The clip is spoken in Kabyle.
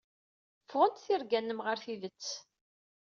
Ffɣent tirga-nnem ɣer tidet.